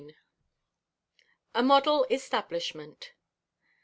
A MODEL ESTABLISHMENT.